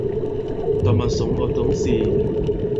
Tɔ̀ màsɔ̌ŋ ɔ̀ tɔ̌ŋ sēē.